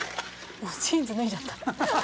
もうジーンズ脱いじゃった。